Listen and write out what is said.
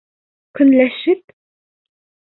Көнләшеп!